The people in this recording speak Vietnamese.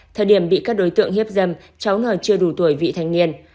thời điểm bị các đối tượng hiếp dâm cháu n chưa đủ tuổi vị thanh niên